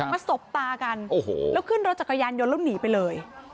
สบตากันโอ้โหแล้วขึ้นรถจักรยานยนต์แล้วหนีไปเลย